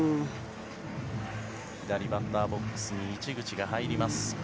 左バッターボックスに市口が入ります。